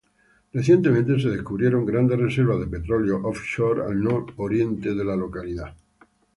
Recientemente se descubrieron grandes reservas de petróleo offshore al nororiente de la localidad.